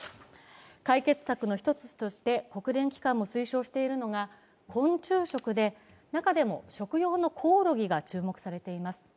解決策の一つとして国連機関も推奨しているのが昆虫食で中でも食用のコオロギが注目されています。